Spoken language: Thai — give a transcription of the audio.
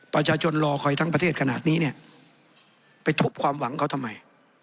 ประชาชนรอคอยทั้งประเทศขนาดนี้เนี่ยไปทุบความหวังเขาทำไม